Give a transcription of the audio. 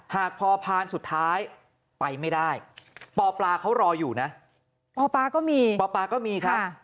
หากพอพานสุดท้ายไปไม่ได้ปปลาเขารออยู่นะปปลาก็มีปปลาก็มีครับ